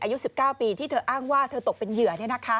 อายุ๑๙ปีที่เธออ้างว่าเธอตกเป็นเหยื่อ